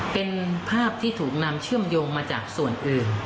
เป็นภาพที่ถูกนำเชื่อมโยงมาจากส่วนอื่น